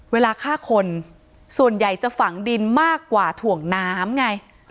เวลาฆ่าคนส่วนใหญ่จะฝังดินมากกว่าถ่วงน้ำไง